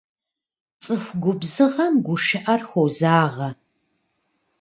ЦӀыху губзыгъэм гушыӀэр хозагъэ.